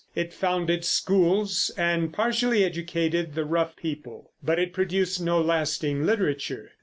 It founded schools and partially educated the rough people, but it produced no lasting literature.